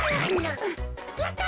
やった！